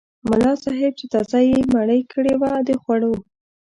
ملا صاحب چې تازه یې مړۍ کړې وه د خوړو.